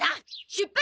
出発